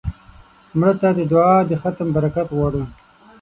مړه ته د دعا د ختم برکت غواړو